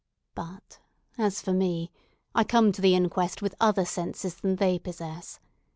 But, as for me, I come to the inquest with other senses than they possess.